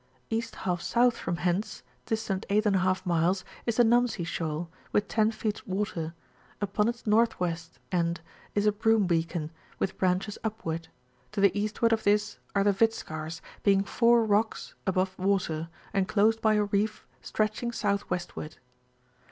£.^ S. from hence, distant 8 J miles, is the Namsi Shocd, with 10 feet water; upon its north west end is a broom beacon, with branches upward: to the eastward of this are the Vit Skars, being four rocks aboye water, enclosed by a reef stretching south westward.